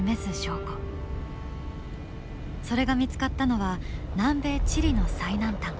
それが見つかったのは南米チリの最南端